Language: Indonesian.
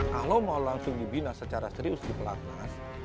kalau mau langsung dibina secara serius di pelatnas